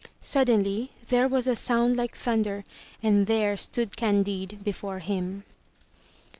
Suddenly, there was a soimd like thunder, and there stood Candide before him.